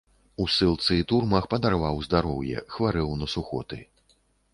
У ссылцы і турмах падарваў здароўе, хварэў на сухоты.